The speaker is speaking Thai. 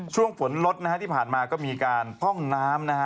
ช่วงฝนลดที่ผ่านมาก็มีการป้องน้ำ